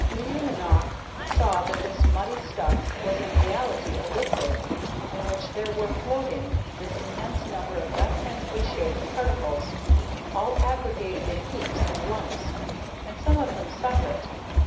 Leeuwenhoek saw that this muddy stuff was in reality a liquid, in which there were floating this immense number of definitely shaped particles, all aggregated in heaps and lumps and some of them separate.